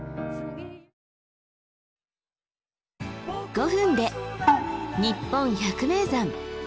５分で「にっぽん百名山」。